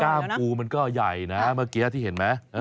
ปูมันก็ใหญ่นะเมื่อกี้ที่เห็นไหม